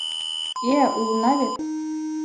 — Э-э, улына вет!